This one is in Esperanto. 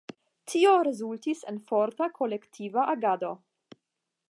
Tio rezultis en forta kolektiva agado.